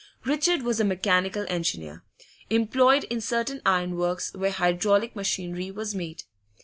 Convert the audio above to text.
Richard was a mechanical engineer, employed in certain ironworks where hydraulic machinery was made.